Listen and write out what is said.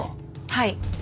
はい。